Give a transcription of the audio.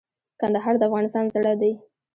کندهار د افغانستان زړه دي